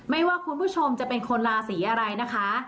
ไม่ว่าคุณผู้ชมจะเป็นคนราศีอะไรนะคะ